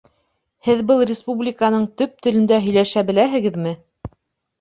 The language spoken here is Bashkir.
Һеҙ был республиканың төп телендә һөйләшә беләһегеҙме?